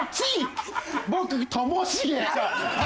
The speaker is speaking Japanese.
「僕ともしげ」